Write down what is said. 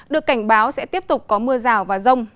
được cảnh báo sẽ tiếp tục có mưa rào và rông